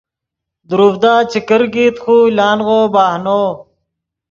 دروڤدا چے کرکیت خو لانغو بہنو